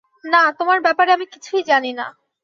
না, তোমার ব্যাপারে আমি কিছুই জানি না।